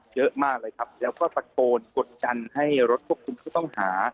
เยอะมากเลยครับแล้วก็ตะโกนกดดันให้รถควบคุมผู้ต้องหา